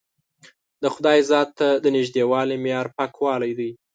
د خدای ذات ته د نژدېوالي معیار پاکوالی دی.